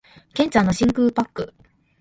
剣ちゃんの真空パック